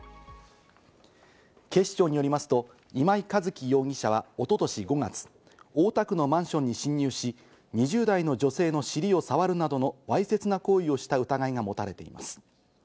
警視庁によりますと今井一希容疑者は一昨年５月、大田区のマンションに侵入し、２０代の女性の尻を触るなどのわいせつな行為をした疑いが持たれています。